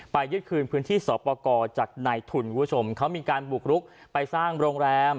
ยึดคืนพื้นที่สอบประกอบจากในทุนคุณผู้ชมเขามีการบุกรุกไปสร้างโรงแรม